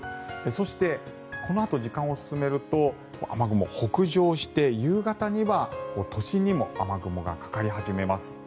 そして、このあと時間を進めると雨雲、北上して夕方には都心にも雨雲がかかり始めます。